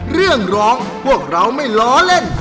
เรื่องร้องพวกเราไม่ล้อเล่น